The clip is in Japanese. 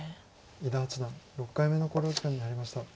伊田八段６回目の考慮時間に入りました。